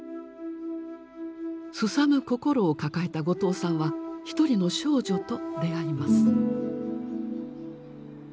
すさむ心を抱えた後藤さんはひとりの少女と出会います。